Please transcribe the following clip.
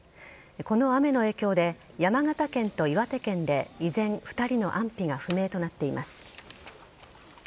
この雨の影響で山形県と岩手県で依然、２人の安否が不明となっています。